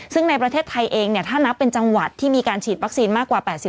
ซึ่งในประเทศไทยเองถ้านับเป็นจังหวัดที่มีการฉีดวัคซีนมากกว่า๘๐